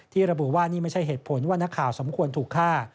ระบุว่านี่ไม่ใช่เหตุผลว่านักข่าวสมควรถูกฆ่า